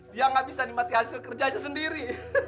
dia enggak bisa dimati hasil kerjanya sendiri